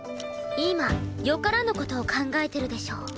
今良からぬ事を考えてるでしょ？